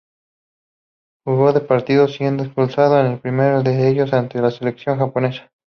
Jugó dos partidos, siendo expulsado en el primero de ellos ante la selección japonesa.